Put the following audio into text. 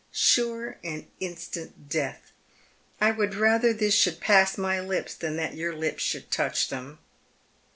Sure and instant death. I would rather this should pass my lips than that your lips should touch them."